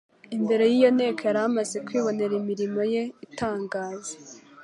imbere y’iyo nteko yari imaze kwibonera imirimo ye itangaza.